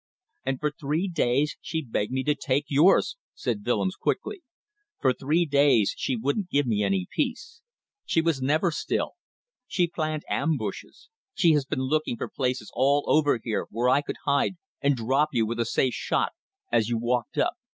"And for three days she begged me to take yours," said Willems quickly. "For three days she wouldn't give me any peace. She was never still. She planned ambushes. She has been looking for places all over here where I could hide and drop you with a safe shot as you walked up.